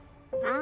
あ。